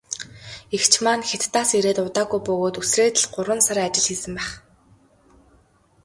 Эгч маань Хятадаас ирээд удаагүй бөгөөд үсрээд л гурван сар ажил хийсэн байх.